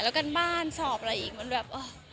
แล้วกันบ้านสอบอะไรอีกมันแบบเออ